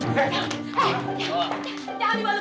jangan dibawa lukisan saya